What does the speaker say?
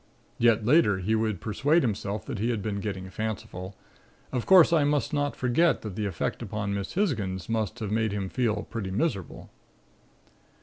Yet, later, he would persuade himself that he had been getting fanciful. Of course, I must not forget that the effect upon Miss Hisgins must have made him feel pretty miserable.